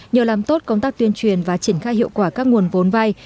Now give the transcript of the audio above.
nhờ làm tốt công tác tuyên truyền và triển khai hiệu quả các nguồn vốn vay